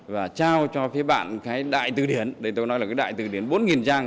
và trao cho phía bạn cái đại tư điển đây tôi nói là cái đại tư điển bốn trang